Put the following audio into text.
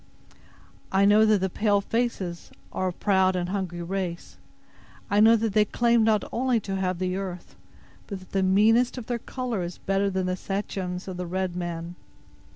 "I know that the pale faces are a proud and hungry race. I know that they claim not only to have the earth, but that the meanest of their color is better than the Sachems of the red man.